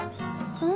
うん？